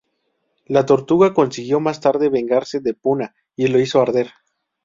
La tortuga consiguió más tarde vengarse de Puna y lo hizo arder.